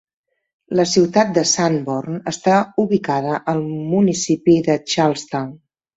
La ciutat de Sanborn està ubicada al municipi de Charlestown.